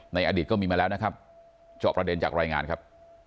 อดีตก็มีมาแล้วนะครับจอบประเด็นจากรายงานครับ